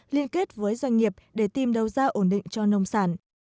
liên kết với doanh nghiệp để tìm đầu ra ổn định cho nông sản